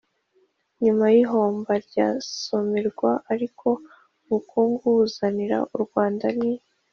nyuma y'ihomba rya somirwa, ariko ubukungu buzanira u rwanda ni